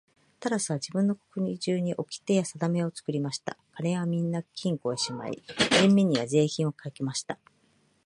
タラスは自分の国中におきてやさだめを作りました。金はみんな金庫へしまい、人民には税金をかけました。